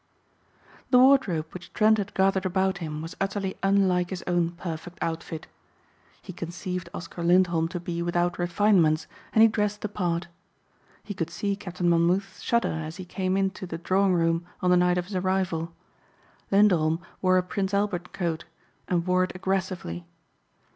The wardrobe which Trent had gathered about him was utterly unlike his own perfect outfit. He conceived Oscar Lindholm to be without refinements and he dressed the part. He could see Captain Monmouth shudder as he came into the drawing room on the night of his arrival. Lindholm wore a Prince Albert coat and wore it aggressively.